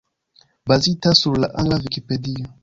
Bazita sur la angla Vikipedio.